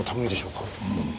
うん。